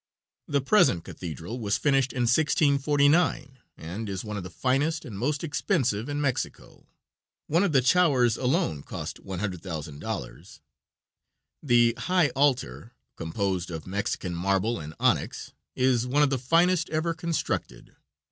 The present cathedral was finished in 1649, and is one of the finest and most expensive in Mexico. One of its towers alone cost $100,000. The high altar, composed of Mexican marble and onyx, is one of the finest ever constructed.